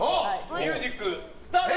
ミュージック、スタート！